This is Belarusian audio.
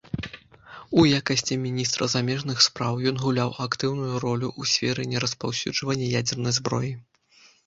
У якасці міністра замежных спраў ён гуляў актыўную ролю ў сферы нераспаўсюджвання ядзернай зброі.